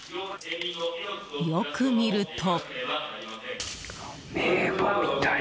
よく見ると。